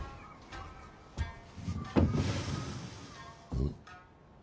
うん？